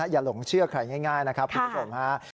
หลงเชื่อใครง่ายนะครับคุณผู้ชมฮะ